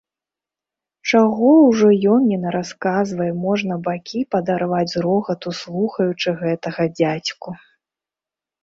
Чаго ўжо ён ні нарасказвае, можна бакі падарваць з рогату, слухаючы гэтага дзядзьку.